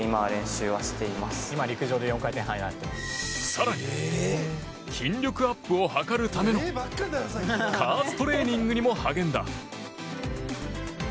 更に、筋力アップを図るための加圧トレーニングにも励んだ。